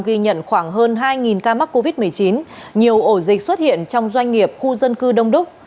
ghi nhận khoảng hơn hai ca mắc covid một mươi chín nhiều ổ dịch xuất hiện trong doanh nghiệp khu dân cư đông đúc